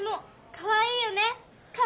かわいいよね！